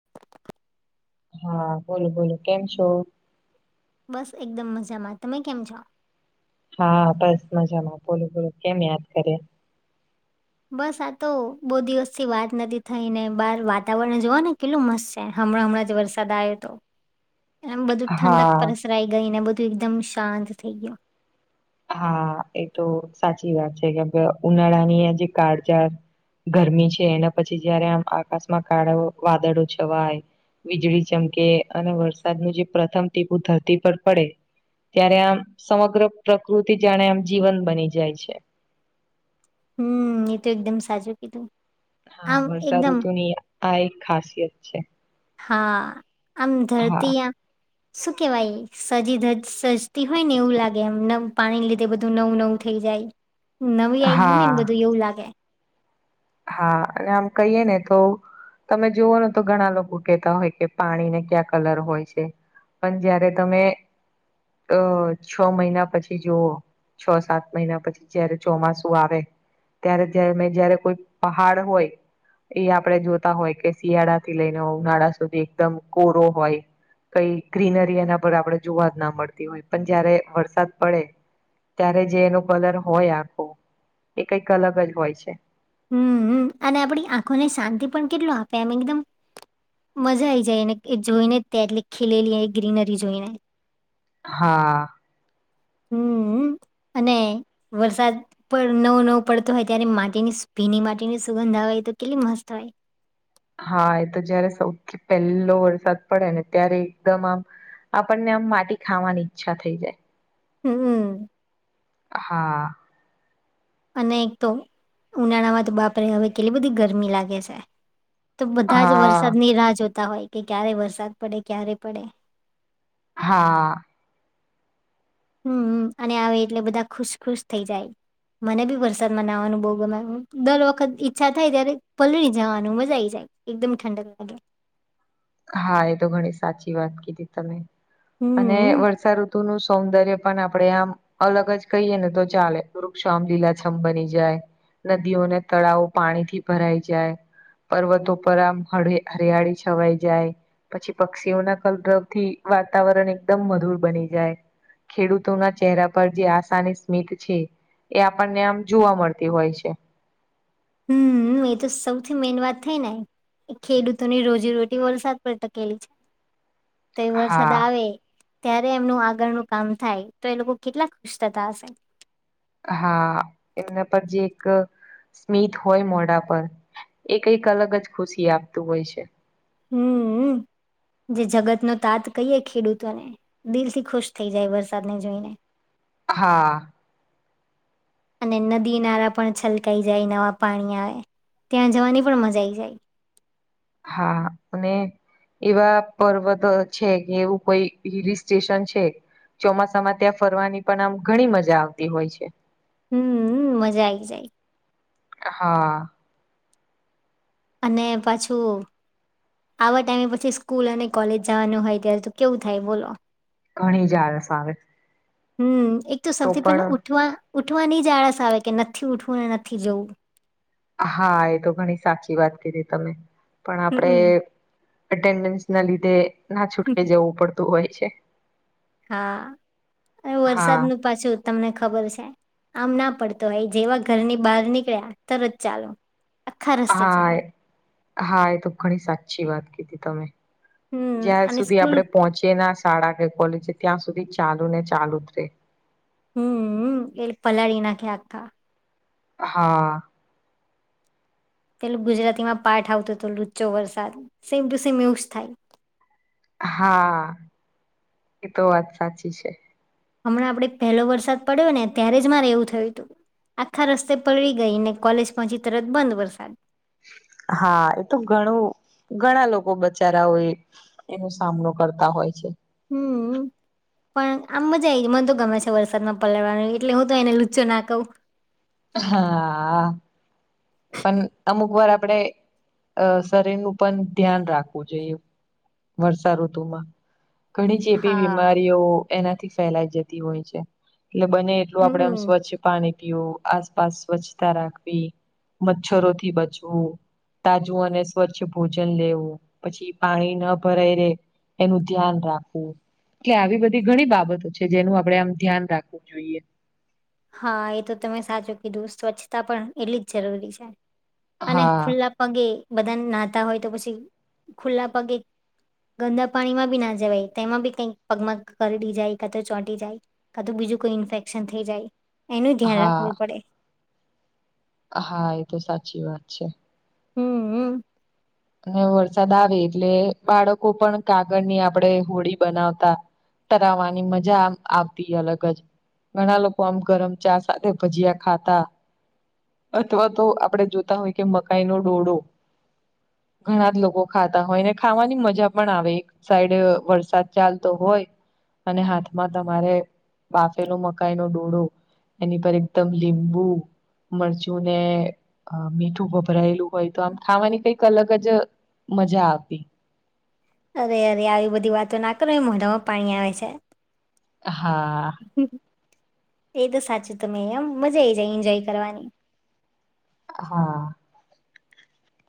[inaudible] હા બોલો બોલ કેમ છો? બસ એકદમ મજામાં તમે કેમ છો? હા બસ મજામાં બોલું બોલું કેમ યાદ કરે? બસ આતો બહુ દિવસથી વાત નથી થઈ ને બહાર વાતાવરણ જોવા ને કેટલું મસ્ત છે. હમણાં હમણાં જે વરસાદ આવ્યો હતો. એ બધું ઠંડક હા પરસરાઈ ગઈ ને બધું એકદમ શાંત થઇ ગયું. હા એ તો સાચી વાત છે કે ઉનાળા ની જે કાળજાર. ગરમી છે એને પછી જયારે આમ આકાશમાં કાળા વાદળો છવાય. વીજળી ચમકે અને વરસાદનું જે પ્રથમ ટીપું ધરતી પર પડે. ત્યારે આમ સમગ્ર પ્રકૃતિ જાણે આમ જીવન બની જાય છે. હમ એ તો એકદમ સાચું કીધું. હા આમ વર્ષા એકદમ ઋતુની આ એક ખાસિયત છે. હા આમ હા ધરતી આ શું કેવાય સજી સજતી હોય ને એવું લાગે એમ પાણી લીધે બધું નવું નવું થઈ જાય. નવી આઈ ગયું ને ને હા બધું એવું લાગે. હા અને આમ કહીએ ને તો તમે જોુવઓ ને તો ઘણા લોકો કેહેતા હોય કે પાણીને ક્યા કલર હોય છે. પણ જયારે તમે અ છ મહિના પછી જુઓ. છ સાત મહિના પછી જયારે ચોમાસું આવે, ત્યારે જ મે જયારે કોઈ પહાડ હોય. એ આપડણે જોતા હોય કે શિયાળા થી લઈને ઉનાળા સુધી એકદમ કોરો હોય. કઈ ગ્રીનરી એના પર આપણે જોવા જ ના મળતી હોય પણ જયારે વરસાદ પડે. ત્યારે જે એનું કલર હોય આખું, એ કઈક અલગ જ હોય છે. હમ અને આપણી આંખોને શાંતિ પણ કેટલું આપે એમ એકદમ મજા આ આઈ જાય એને જોઈને જ ત્યાં એટલે ખીલેલી એ ગ્રીનરી જોઈને. હા. હમ, અને વરસાદ પણ નવું નવું પડતું હોય ત્યારે માટીની સ્પિની માટીની સુગંધ આવે તો કેટલી મસ્ત હોય. હા એ તો જયારે સૌથી પહેલો વરસાદ પડે ને ત્યારે એકદમ આમ. આપણને આમ માટી ખાવાની ઈચ્છા થઈ જાય. હમમ. હા. અને એક તો ઉનાળા માં તો બાપરે હવે કેટલી બધી ગરમી લાગે છે. તો બધા જ વરસાદ હા ની રાહ જોતા હોય કે ક્યારે વરસાદ પડે ક્યારે પડે. હા હમ અને આવે એટલે બધા ખુશ ખુશ થઇ જાય. મને બી વરસાદ માં નાવાનું બહુ ગમે દર વખત ઈચ્છા થાય ત્યારે પલળી જવાનું મજા આવી જાય. એકદમ ઠંડ લાગે. હા એ તો ઘણી સાચી વાત કીધી તમે, અને હમ વર્ષાઋતુનું સૌંદર્ય પણ આપડે આમ અલગ જ કહીએ ને તો ચાલે વૃક્ષો આમ લીલાછમ બની જાય. નદીઓને તળાવો પાણીથી ભરાઈ જાય. પર્વતો પર આમ હ હરિયાળી છવાય. જાય પછી પક્ષીઓના કલદ્રવ થી વાતાવરણ એકદમ મધુર બની જાય. ખેડૂતોના ચહેરા પર જે આશાની સ્મિત છે. એ આપણને આમ જોવા મળતી હોય છે. હમ એ તો સૌથી મેન વાત થઈ ને એ ખેડૂતોની રોજીરોટી વરસાદ પડ ટકેલી છે. તો વરસાદ હા આવે ત્યારે એમનું આગળનું કામ થાય તો એ લોકો કેટલા ખુશ થતા હશે. હા એ પર જે એક સ્મીિત હોય મોડા પર એ કંઈક અલગ જ ખુશી આપતું હોય છે. હમમ જે જગત નો તાત કહીએ ખેડૂતોને દિલ થી ખુશ થઈ જાય વરસાદને જોઈને. હા અને નદીનારા પણ છલકાઈ જાય નવા પાણી આવે ત્યાં જવાની પણ મજા આવી જાય. હા અને એવા પર્વત છે કે એવું કોઈ હિલ સ્ટેશન છે. ચોમાસામાં ત્યાં ફરવાની પણ આમ ઘણી મજા આવતી હોય છે. હમ મજા આ આવી જાય. હા અને પાછુ. આવા ટાઈમે પછી સ્કૂલ અને કોલેજ જવાનું હોય ત્યારે તો કેવું થાય બોલો ઘણી જાર સ આવે હમ એક તો સૌથી પહેલા ઉઠવા ઉઠવાની જ આળસ આવે કે નથી ઉઠવું ને નથી જવુ. હા એ તો ઘણી સાચી વાત કીધી તમે પણ હમ્મ. આપણેે અટેન્ડન્સ ના લીધે ના છૂટકે જવું પડતું હોય છે. હા વરસાદ હા નું પાછું તમને ખબર છે. આમ ના પડતો હાઈ જેવા ઘરની બહાર નીકળ્યા તરત ચાલો આખા રસ્તે હા ચાલો. હા તો ઘણી સાચી વાત કીધી તમે હમ્મ, જ્યાં અને સુધી સ્કૂલ આપડે પહોંચી ના શાળા કે કોલેજ ત્યાં સુધી ચાલુ ને ચાલુ જ રે હમ એ પલાળી નાખ્યાકતા હા પેલું ગુજરાતીમાં પાઠ આવતો હતો લુચો વરસાદ સે મ્યુસ થાય. હા એ તો વાત સાચી છે. હમણાં આપડે પહેલો વરસાદ પડ્યો ને ત્યારે જ મારે એવું થયું હતુ આખા રસ્તે પડડી ગઈ, ને કોલેજ પહોંચી તરત બંધ વરસાદ હા એ તો ઘણું ઘણા લોકો બચારા હોય. એનો સામનો કરતા હોય છે. હમ્મ પણ આમ મજા મને તો ગમે છે વરસાદમાં પલળવાનું એટલે હું તો એને લુચો ના કહુ. હા પણ અમુક વાર આપડે અ શરીરનું પણ ધ્યાન રાખવું જોઈએ વર્ષા ઋતુમા ઘણી જે એવીી હા. બીમારીઓ એનાથી ફેલાઈ જતી હોય છે, એટલે બને એલું આપડે આમ હમ્મ સ્વચ્છ પાણી પીવું આસપાસ સ્વચ્છતા રાખવી મચ્છરોથી બચવું તાજું અને સ્વચ્છ ભોજન લેવું પછી પાણી ન ભરાઈ રે એનું ધ્યાન રાખવું એટલે આવી બધી ઘણી બાબતો છે જેનું આપડે આમ ધ્યાન રાખવું જોઈએ. હા એ તો તમે સાચો કે દોસ્ત સ્વચ્છતા પણ એટલી જ જરૂરી છે, અને હા ખુલ્લા પગે બધાને નાતા હોય તો પછી ખુલ્લા પગે ગંદા પાણીમાં બી ના જવાય તેમાં બી કઈક પગમગ કરીડી જાય કા તો ચોંટી જાય કધું બીજું કોઈ ઇન્ફેક્શન થઈ જાય એનું ધ્યાન હા રાખવું પડે હા એ તો સાચી વાત છે હમ અને વરસાદ આવે એટલે બાળકો પણ કાગળ ની આપણે હોડી બનાવતા તરાવવાની મજા આવતી અલગ જ ઘણા લોકો આમ ગરમ ચા સાથે ભજીયા ખાતા અથવા તો આપડ જોતા હોય કે મકાઈ ન ડોડો ઘણા જ લોકો ખાતા હોય ને ખાવાની મજા પણ આવે એક સાઈડ વરસાદ ચાલતો હોય અને હાથમાં તમારે બાફેલું મકાઈ ન ડોડું એની પર એકદમ લીંબુ મરચું ને મીઠું ગભરાયેલું હોય તો આમ ખાવાની કઈ અલગ જ મજા આવતી અરે અરે આવી બધી વાતો ના કરો મોઢામાં પાણી આવે છે હા એ તો સાચું તમે એમ મજા આવીઈ જાય એન્જોય કરવાની હા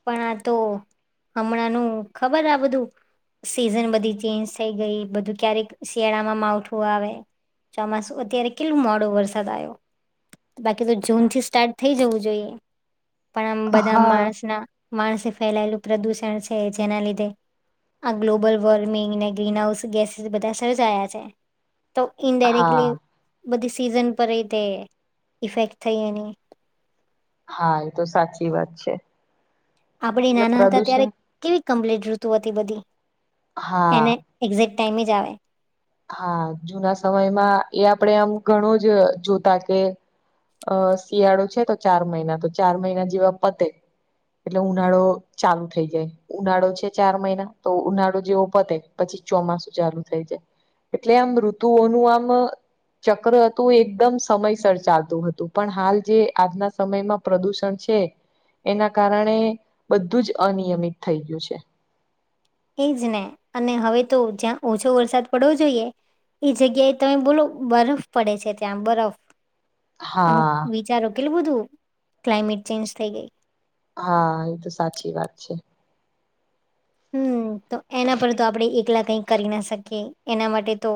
પણ આ તો હમણાં ન ખબર આ બધું સીઝન બધી ચેન્જ થઈ ગઈ બધું ક્યારેક શિયાળામાં માવઠું આવે ચોમાસું અત્યારે કેટલો મોડો વરસાદ આવ્યો બાકી તો જૂન થી સ્ટાર્ટ થઈ જવું જોઈએ પણ આમ બધા હા માણસ ના માણસે ફેલાયેલું પ્રદૂષણ છે જેના લીધે આ ગ્લોબલ વોર્મિંગ ને ગ્રીન હાઉસ ગેસીસ બધા સર્જાયા છે તો ઇન્ડાયરેક્ટલી હા બધી સીઝન પર રતે ઇફેક્ટ થઈ એની હા એ તો સાચી વાત છે આપડી એટલે નાના હતા ત્યારે પ્રદુષણ કેવી કમ્પ્લીટ ઋતુ હતી બધી હા એને એક્ઝેક્ટ ટાઈમે જ આવે હા જુના સમયમાં એ આપણેે આમ ઘણું જ જોતા કે અ શિયાળો છે તો ચાર મહિના તો ચાર મહિના જેવા પતે એટલે ઉનાળો ચાલુ થઇ જાય ઉનાળો છે ચાર મહિના તો ઉનાળો જેવો પતે પછી ચોમાસું ચાલુ થઈ જાય એટલે આમ ઋતુઓનું આમ ચક્ર હતું એકદમ સમયસર ચાલતું હતું પણ હાલ જે આજના સમયમાં પ્રદૂષણ છે એના કારણે બધું જ અનિયમિત થઈ ગયું છે એ જ ને અને હવે તો જ્યાં ઓછો વરસાદ પડવો જોઈએ એ જગ્યાએ તમે બોલો બરફ પડે છે ત્યાં બરફ અમુક હા વિચારો કેલું બધું ક્લાઇમેટ ચેન્જ થઈ ગઈ હા એ તો સાચી વાત છે હમ તો એના પર તો આપણે એકલા કઈક કરી ના શકીએ એના માટે તો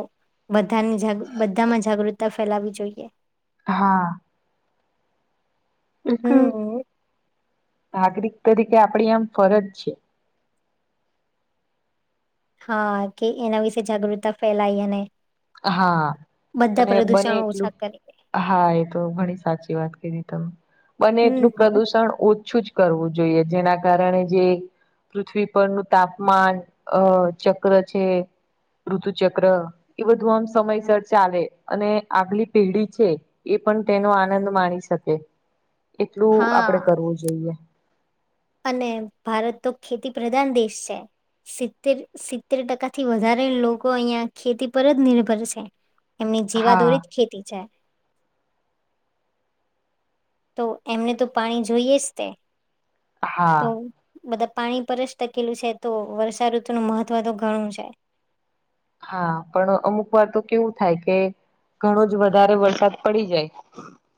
બધાની બધામાં જાગૃતતા ફેલાવી જોઈએ હા. એક હમ નાગરિક તરીકે આપડી આમ ફરજ છે. હા કે એના વિશે જાગૃતતા ફેલાઈ અને હા બધા અને બને પ્રદુષણો ઓછા એટલું કરીએ હા એ તો ઘણી સાચી વાત કધી તમે બને એટલું હમ પ્રદુષણ ઓછું જ કરવું જોઈએ જેના કારણે જે પૃથ્વી પરનું તાપમાન અ ચક્ર છે ઋતુ ચક્ર એ બધું આમ સમયસર ચાલે અને આગલી પેઢી છે એ પણ તેનો આનંદ માણી શકે એટલું હા આપડે કરવું જોઈએ. અને ભારત તો ખેતી પ્રધાન દેશ છે. સિત્તેર સિત્તેર ટકા થી વધારે લોકો અહિયાં ખેતી પર જ નિર્ભર છે. એમની હા જીવાદોરી જ ખેતી છે. તો એમને તો પાણી જોઈએ સ તે તો હા બધા પાણી પર જ ટકેલું છે તો વર્ષાઋતુનું મહત્વ તો ઘણું છે હા પણ અમુક વાર તો કેવું થાય કે ઘણો જ વધારે વરસાદ પડી જાય.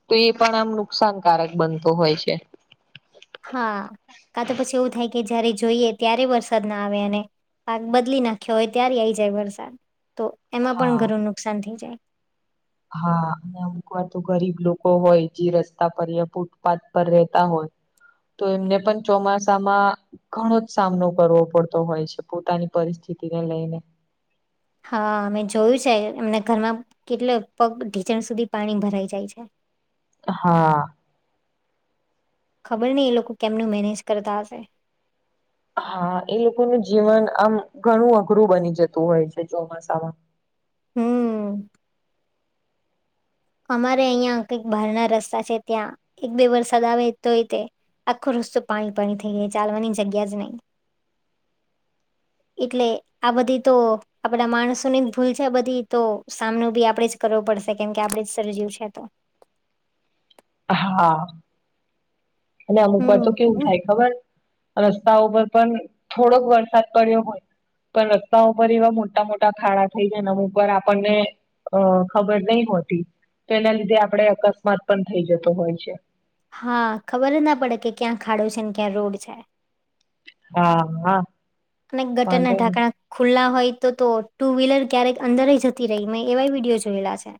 તો એ પણ આમ નુકસાનકારક બનતો હોય છે. હા કા તો પછી એવું થાય કે જયારે જોઈએ ત્યારે વરસાદ ના આવે અને પાક બદલી નાખ્યો હોય ત્યારે આઈ જાય વરસાદ તો એમાં હા પણ ઘરું નુકસાન થઈ જાય. હા અને અમુક વાર તો ગરીબ લોકો હોય જે રસ્તા પર યા ફૂટપાથ પર રેતા હોય. તો એમને પણ ચોમાસામાં ઘણો જ સામનો કરવો પડતો હોય છે પોતાની પરિસ્થિતિને લઈને હા અમે જોયું છે એમના ઘરમાં કેટલે પગ ઢીચણ સુધી પાણી ભરાઈ જાય છે. હા. ખબર નય એ લોકો કેમનું મેનેજ કરતા હશે હા એ લોકોનું જીવન આમ ઘણું અઘરું બની જતું હોય છે ચોમાસામાં હમ્મ. અમારે અહિયાં કંઈક બહારના રસ્તા છે ત્યાં એક બે વરસાદ આવે તોયતે આખો રસ્તો પાણી પાણી થઈ જાય ચાલવાની જગ્યા જ નહી એટલે આ બધી તો આપડા માણસોની જ ભૂલ છે બધી તો સામનો બી આપણે જ કરવો પડશે કેમ કે આપડે સર્જ્યું છે તો હા. અને અમુક વાર તો કેવું હમ થાય ખબર રસ્તાઓ પર પણ થોડોક વરસાદ પડ્યો હોય પણ રસ્તા ઉપર એવા મોટા મોટા ખાડા થઈ જાય નેમ ઉપર આપણને અ ખબર નહી હોતી તો એના લીધે આપડે અકસ્માત પણ થઈ જતો હોય છે. હા ખબર જ ના પડે કે ક્યાં ખાડો છે ને ક્યાં રોડ છે હા હા અને ગટર ના વાંધો ઢાંકણાં ખુલ્લા હોય તો તો ટુ વ્હીલર ક્યારેક અંદર જતી રહી મેં એવાય વિડીયો જોયેલા છે.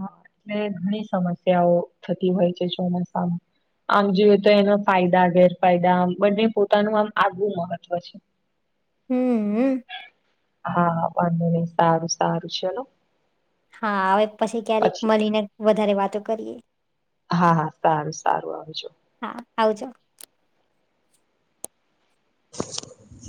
હા એટલે ઘણી સમસ્યાઓ થતી હોય છે ચોમાસામાં. આમ જોયએ તો એનો ફાયદા ગેરફાયદા આમ બંને પોતાનું આમ આગવું મહત્વ છે. [inaudible] હમ હા હા વાંધો નહી સારું સારું ચલો હા હવે પછી ક્યારેક મળીને વધારે વાતો કરીએ હા હા સારું સારું આવજો હા આવાજો. [inaudible]